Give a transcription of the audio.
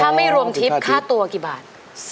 ถ้าไม่รวมทิพย์ค่าตัวกี่บาท